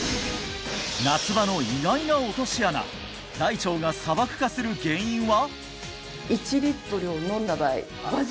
夏場の意外な落とし穴大腸が砂漠化する原因は？